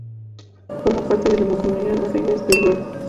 Forma parte de la Mancomunidad Arribes del Duero.